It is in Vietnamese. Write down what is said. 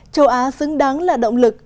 châu á xứng đáng là động lực